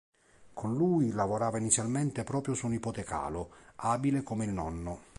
Con lui lavorava inizialmente proprio suo nipote Calo, abile come il nonno.